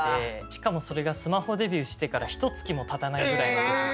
しかもそれがスマホデビューしてからひとつきもたたないぐらいの時で。